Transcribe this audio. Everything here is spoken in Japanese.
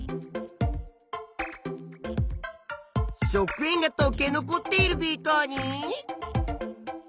食塩がとけ残っているビーカーに。